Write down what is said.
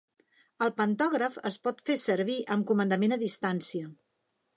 El pantògraf es pot fer servir amb comandament a distància.